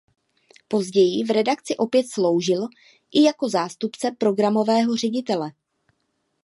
Později v redakci opět sloužil i jako zástupce programového ředitele.